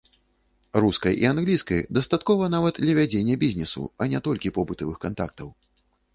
Рускай і англійскай дастаткова нават для вядзення бізнесу, а не толькі побытавых кантактаў.